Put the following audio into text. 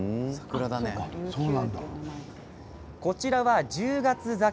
こちらは、１０月桜。